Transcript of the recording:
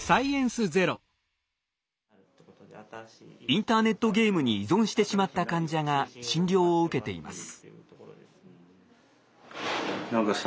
インターネットゲームに依存してしまった患者が診療を受けています。